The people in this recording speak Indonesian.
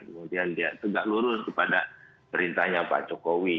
kemudian dia tegak lurus kepada perintahnya pak jokowi